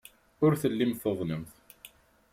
Ur tellimt tuḍnemt.